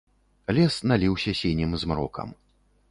Лес наліўся сінім змрокам.